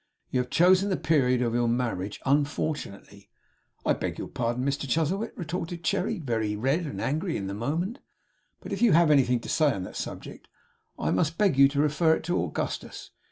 You have chosen the period of your marriage unfortunately.' 'I beg your pardon, Mr Chuzzlewit,' retorted Cherry; very red and angry in a moment; 'but if you have anything to say on that subject, I must beg to refer you to Augustus.